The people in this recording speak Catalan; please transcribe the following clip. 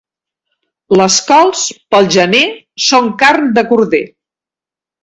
Les cols, pel gener, són carn de corder.